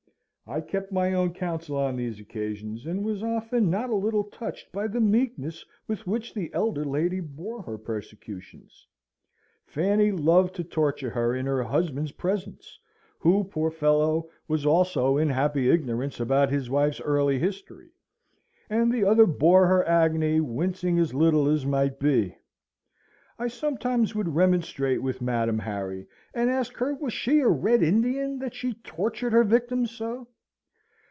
I kept my own counsel on these occasions, and was often not a little touched by the meekness with which the elder lady bore her persecutions. Fanny loved to torture her in her husband's presence (who, poor fellow, was also in happy ignorance about his wife's early history), and the other bore her agony, wincing as little as might be. I sometimes would remonstrate with Madam Harry, and ask her was she a Red Indian, that she tortured her victims so?